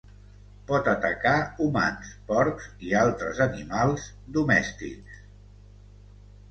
Pot atacar humans, porcs i altres animals domèstics.